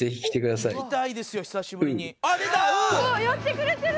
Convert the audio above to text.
「やってくれてる！」